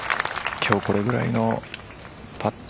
今日、これぐらいのパット